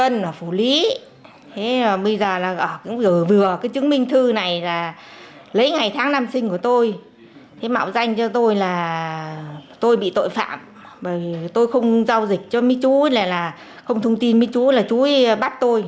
tôi bị tội phạm tôi không giao dịch cho mấy chú không thông tin mấy chú là chú bắt tôi